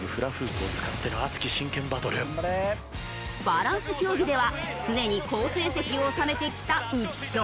バランス競技では常に好成績を収めてきた浮所。